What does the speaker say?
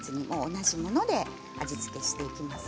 同じもので味付けをしていきます。